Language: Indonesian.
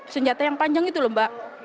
senjata yang panjang itu lho mbak